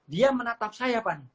dia menatap saya pan